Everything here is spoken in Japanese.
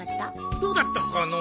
どうだったかのう。